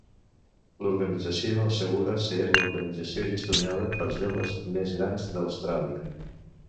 L'organització assegura ser l'organització gestionada per joves més gran d'Austràlia.